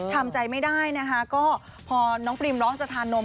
ทำใจไม่ได้นะคะก็พอน้องปริมร้องจะทานนม